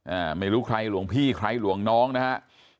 อ่าไม่รู้ใครหลวงพี่ใครหลวงน้องนะฮะ